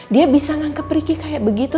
dia bisa nangkep ricky kayak begitu